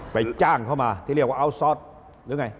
จ้างเข้ามาที่เรียกว่าอัลซอสหรือไง